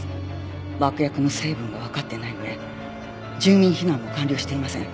爆薬の成分がわかってない上住民避難も完了していません。